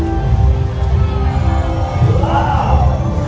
สโลแมคริปราบาล